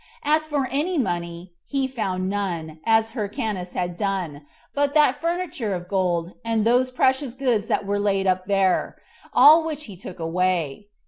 As for any money, he found none, as Hyrcanus had done, but that furniture of gold, and those precious goods that were laid up there; all which he took away.